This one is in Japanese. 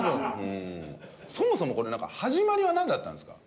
そもそもこれなんかはじまりはなんだったんですか？